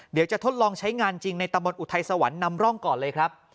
เดี๋ยวจะทดลองใช้งานจริงในตะบนอุทัยสวรรค์นำร่องก่อนเลยครับ